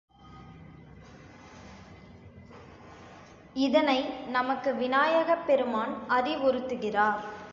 இதனை நமக்கு விநாயகப் பெருமான் அறிவுறுத்துகிறார்.